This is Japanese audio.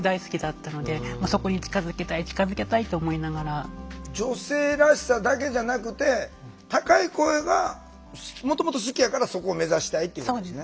歌とかでも女性らしさだけじゃなくて高い声がもともと好きやからそこを目指したいっていうことですね。